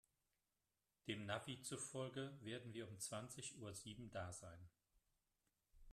Dem Navi zufolge werden wir um zwanzig Uhr sieben da sein.